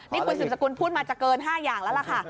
นี่คุณสืบสกุลพูดมาจะเกิน๕อย่างแล้วล่ะค่ะ